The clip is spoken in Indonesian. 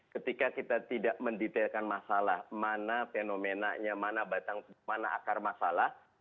ketika kita tidak mendetailkan masalah mana fenomenanya mana akar masalah